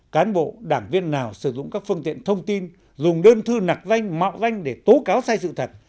cán bộ đảng viên nào sử dụng các phương tiện thông tin dùng đơn thư nạc danh mạo danh để tố cáo sai sự thật